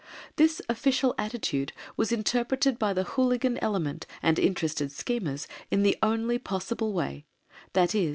This official attitude was interpreted by the hooligan element and interested schemers in the only possible way, viz.